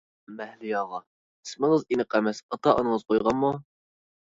مەھلىياغا: ئىسمىڭىز ئېنىق ئەمەس، ئاتا-ئانىڭىز قويغانمۇ.